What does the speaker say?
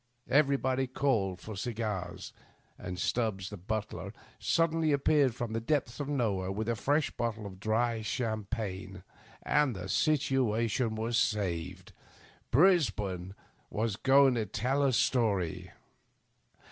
Everybody called for cigars, and Stubbs the bntler suddenly appeared from the depths of nowhere with a fresh bottle of dry cham pagne. The situation was saved; Brisbane was going to t^ll a story.